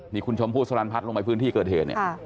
นี่คุณชมพู่สลันพัฒน์ลงไปพื้นที่เกิดเหตุเนี่ย